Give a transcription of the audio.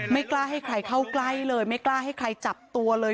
ไม่กล้าให้ใครเข้าใกล้เลยไม่กล้าให้ใครจับตัวเลย